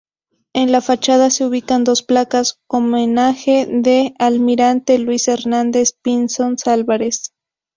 En la fachada se ubican dos placas homenaje al Almirante Luis Hernández-Pinzón Álvarez.